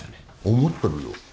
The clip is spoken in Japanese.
思ってるよ。